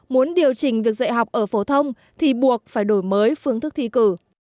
muốn điều chỉnh việc dạy học ở phổ thông thì buộc phải đổi mới phương thức thi cử